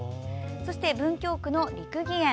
そして文京区の六義園。